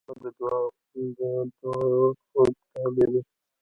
• ته زما د دعا خوږ تعبیر یې.